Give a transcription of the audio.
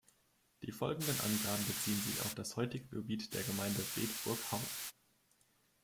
Die folgenden Angaben beziehen sich auf das heutige Gebiet der Gemeinde Bedburg-Hau.